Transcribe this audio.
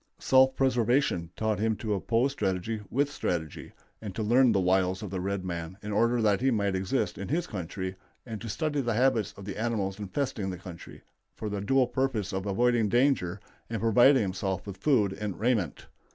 Self preservation taught him to oppose strategy with strategy, and to learn the wiles of the red man in order that he might exist in his country, and study the habits of the animals infesting the country, for the dual purpose of avoiding danger and providing himself with food and raiment.